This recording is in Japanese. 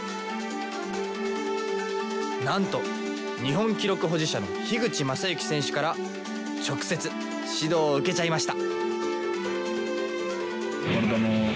なんと日本記録保持者の口政幸選手から直接指導を受けちゃいました！